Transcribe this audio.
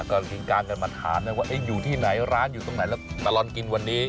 ก็ถึงการกันมาถามนะว่าอยู่ที่ไหนร้านอยู่ตรงไหนแล้วตลอดกินวันนี้